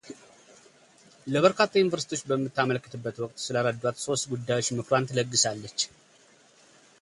ለበርካታ ዩኒቨርስቲዎች በምታመለክትበት ወቅት ስለረዷት ሦስት ጉዳዮች ምክሯን ትለግሳለች።